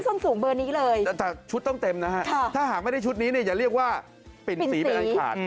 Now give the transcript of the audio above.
ส้มสูงเบอร์นี้เลยแต่ชุดต้องเต็มนะฮะถ้าหากไม่ได้ชุดนี้เนี่ยอย่าเรียกว่าปิ่นสีเป็นอันขาด